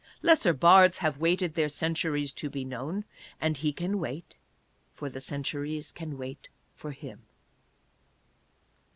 Lesser bards have waited their centuries to be known. And he can wait — if the centuries can wait for him.